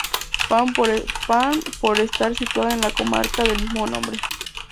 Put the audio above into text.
Pan por estar situada en la comarca del mismo nombre.